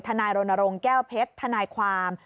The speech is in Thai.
นายรณรงค์แก้วเพชรทนายความ